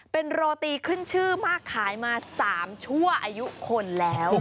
เป็นโรตีขึ้นชื่อมากขายมา๓ชั่วอายุคนแล้ว